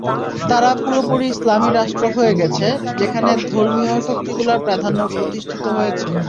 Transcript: তারা পুরোপুরি ইসলামি রাষ্ট্র হয়ে গেছে, যেখানে ধর্মীয় শক্তিগুলোর প্রাধান্য প্রতিষ্ঠিত হয়েছে।